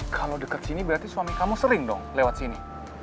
kalau dekat sini berarti suami kamu sering dong lewat sini